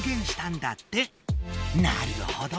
なるほど！